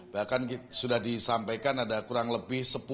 bahkan sudah disampaikan ada kurang lebih sepuluh